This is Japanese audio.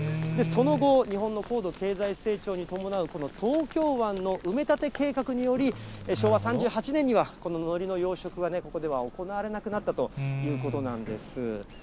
その後、日本の高度経済成長に伴う、東京湾の埋め立て計画により、昭和３８年には、こののりの養殖がここでは行われなくなったということなんです。